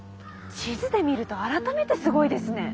地図で見ると改めてすごいですね。